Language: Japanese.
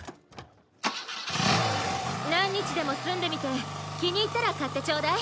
何日でも住んでみて気に入ったら買ってちょうだい。